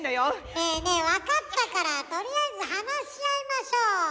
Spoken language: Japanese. ねえねえ分かったからとりあえず話し合いましょう。